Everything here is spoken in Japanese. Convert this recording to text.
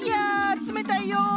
冷たいよ！